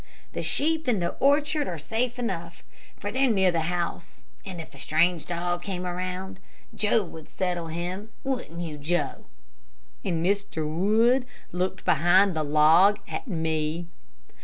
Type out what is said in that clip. The sheep in the orchard are safe enough, for they're near the house, and if a strange dog came around, Joe would settle him, wouldn't you, Joe?" and Mr. Wood looked behind the log at me.